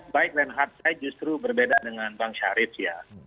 baik dan harganya justru berbeda dengan bang syarif ya